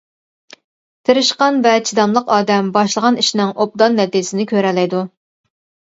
تىرىشچان ۋە چىداملىق ئادەم باشلىغان ئىشنىڭ ئوبدان نەتىجىسىنى كۆرەلەيدۇ.